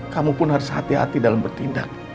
kamu pun harus hati hati dalam bertindak